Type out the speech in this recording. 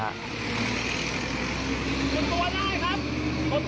หมดตัวได้ครับ